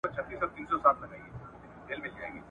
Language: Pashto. په جنت کي مي ساتلی بیرغ غواړم !.